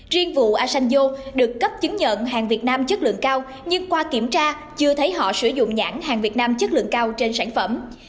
riêng vụ asanjo được cấp chứng nhận hàng việt nam chất lượng cao nhưng qua kiểm tra chưa thấy họ sử dụng nhãn hàng việt nam chất lượng cao trên sản phẩm